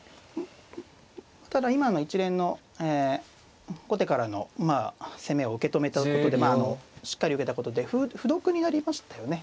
ただ今の一連の後手からの攻めを受け止めたことでまあしっかり受けたことで歩得になりましたよね。